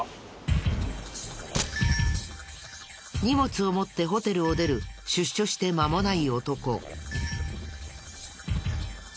荷物を持ってホテルを出る出所してまもない男。